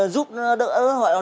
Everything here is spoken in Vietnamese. giúp đỡ họ